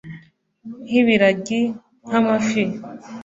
Nk ibiragi nkamafi